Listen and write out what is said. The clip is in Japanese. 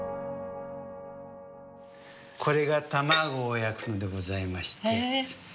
これが卵を焼くのでございましてこれも。